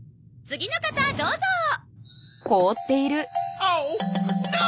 次の方どうぞ！